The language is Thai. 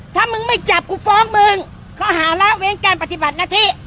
ถ้ามึงไม่จับกูฟ้องมึงเขาหาละเว้นการปฏิบัติหน้าที่